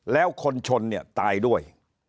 แล้วคนชนเนี่ยตายด้วย